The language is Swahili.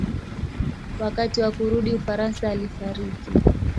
Wakati wa kurudi Ufaransa alifariki.